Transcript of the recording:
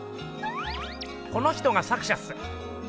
この人が作者っす。